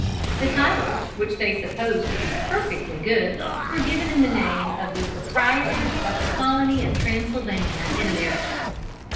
The titles, which they supposed to be perfectly good, were given in the name of the "proprietors of the Colony of Transylvania, in America."